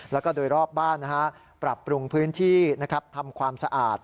แล้วก็โดยรอบบ้านปรับปรุงพื้นที่ทำความสะอาด